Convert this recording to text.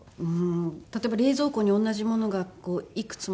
例えば冷蔵庫に同じものがいくつも入ってたりとか